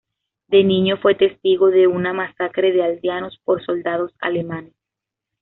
De niño fue testigo de una masacre de aldeanos por soldados alemanes.